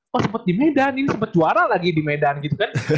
kok sempat di medan ini sempat juara lagi di medan gitu kan